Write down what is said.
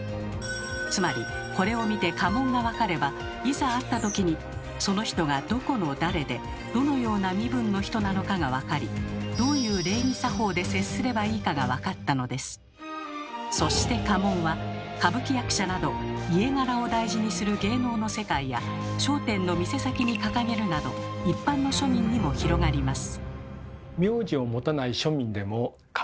つまりこれを見ていざ会った時にその人がどこの誰でどのような身分の人なのかがわかりそして家紋は歌舞伎役者など家柄を大事にする芸能の世界や商店の店先に掲げるなど一般の庶民にも広がります。